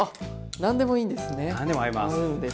何でもいいんですね。